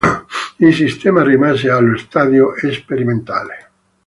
Il sistema rimase allo stadio sperimentale.